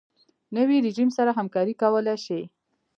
نوی رژیم سره همکاري کولای شي.